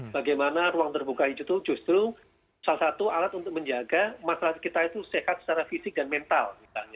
bagaimana ruang terbuka hijau itu justru salah satu alat untuk menjaga masyarakat kita itu sehat secara fisik dan mental